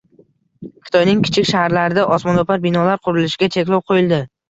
Xitoyning kichik shaharlarida osmono‘par binolar qurilishiga cheklov qo‘yildi